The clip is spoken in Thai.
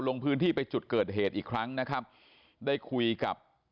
ลงพื้นที่ให้จุดเกิดเหตุอีกครั้งนะครับ